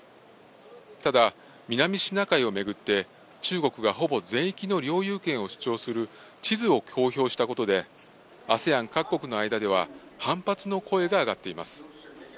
ただ南シナ海を巡って中国がほぼ全域の領有権を主張する地図を公表したことで、ＡＳＥＡＮ各国の間では反発の声が上がっています。